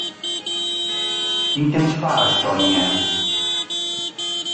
Quin temps fa a Estònia?